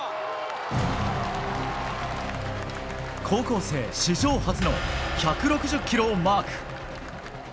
高校生史上初の１６０キロをマーク。